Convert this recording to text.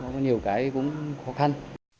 có nhiều cái cũng khó khăn